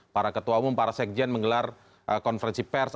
para ketua umum para sekjen menggelar konferensi pers